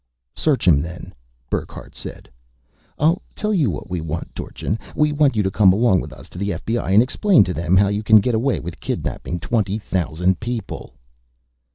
"Search him then," Burckhardt said. "I'll tell you what we want, Dorchin. We want you to come along with us to the FBI and explain to them how you can get away with kidnapping twenty thousand people."